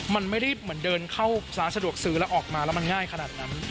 มันไม่ได้เหมือนเดินเข้าร้านสะดวกซื้อแล้วออกมาแล้วมันง่ายขนาดนั้น